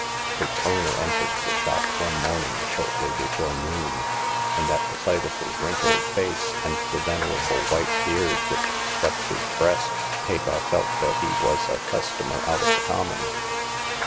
Its owner entered the shop one morning shortly before noon, and at the sight of his wrinkled face, and the venerable white beard which swept his breast, Hagar felt that he was a customer out of the common.